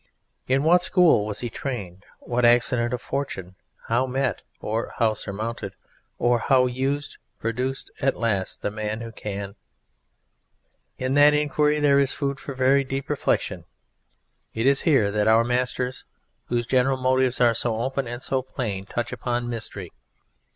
In what school was he trained? What accident of fortune, how met, or how surmounted, or how used, produced at last the Man who Can? In that inquiry there is food for very deep reflection. It is here that our Masters, whose general motives are so open and so plain, touch upon mystery.